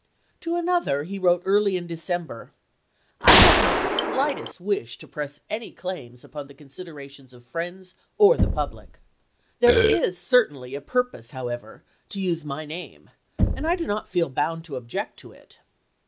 To another he wrote early in December :" I have not the slightest wish to press any claims upon the consideration of friends or the public. There is certainly a purpose, however, to use my name, and I do not feel bound to object to it."